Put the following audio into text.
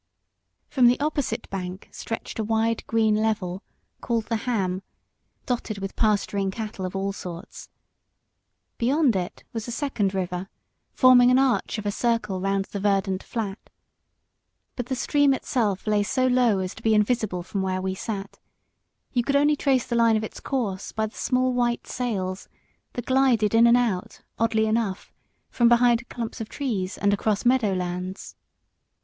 From the opposite bank stretched a wide green level, called the Ham dotted with pasturing cattle of all sorts. Beyond it was a second river, forming an arch of a circle round the verdant flat. But the stream itself lay so low as to be invisible from where we sat; you could only trace the line of its course by the small white sails that glided in and out, oddly enough, from behind clumps of trees, and across meadow lands.